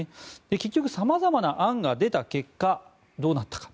結局様々な案が出た結果どうなったか。